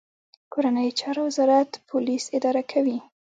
کورنیو چارو وزارت پولیس اداره کوي